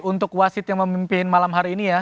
untuk wasit yang memimpin malam hari ini ya